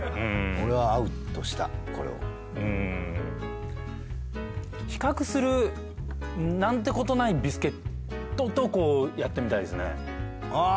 俺は合うとしたこれをうん比較する何てことないビスケットとこうやってみたいですねああ